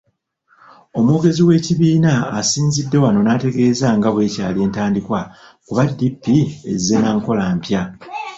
Omwogezi w'ekibiina, asinzidde wano n'ategeeza nga bw'ekyali entandikwa kuba DP ezze na nkola mpya.